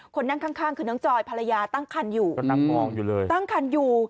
คนนั่งข้างคือน้องจอยภาระยาตั้งคันอยู่